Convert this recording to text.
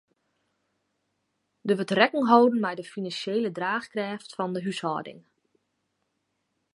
Der wurdt rekken holden mei de finansjele draachkrêft fan 'e húshâlding.